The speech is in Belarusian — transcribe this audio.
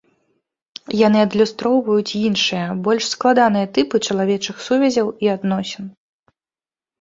Яны адлюстроўваюць іншыя, больш складаныя тыпы чалавечых сувязяў і адносін.